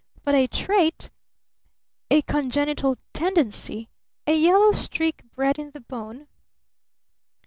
But a trait? A congenital tendency? A yellow streak bred in the bone?